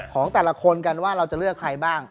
ของแต่ละคนกันว่าเราจะเลือกใครบ้าง